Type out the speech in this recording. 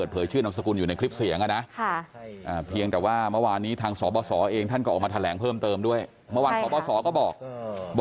ได้ครับยินดีครับ